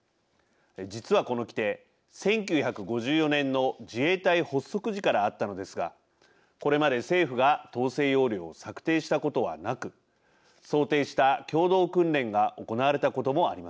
実はこの規定１９５４年の自衛隊発足時からあったのですがこれまで政府が統制要領を策定したことはなく想定した共同訓練が行われたこともありません。